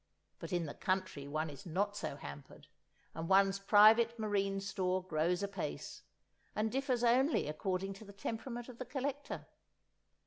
But in the country one is not so hampered, and one's private marine store grows apace, and differs only according to the temperament of the collector.